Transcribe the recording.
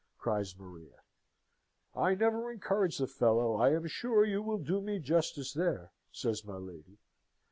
cries Maria. "I never encouraged the fellow, I am sure you will do me justice there," says my lady.